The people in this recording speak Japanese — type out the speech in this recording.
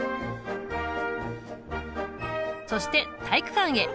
そして体育館へ！